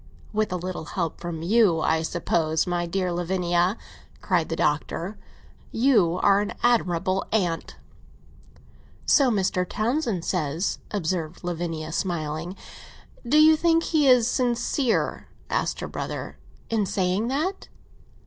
"With a little help from you, I suppose. My dear Lavinia," cried the Doctor, "you are an admirable aunt!" "So Mr. Townsend says," observed Lavinia, smiling. "Do you think he is sincere?" asked her brother. "In saying that?"